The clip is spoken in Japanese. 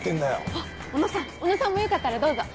あっ小野さん小野さんもよかったらどうぞ。